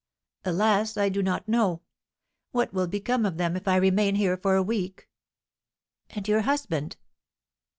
"Alas! I do not know. What will become of them if I remain here for a week?" "And your husband?"